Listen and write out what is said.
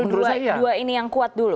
dua ini yang kuat dulu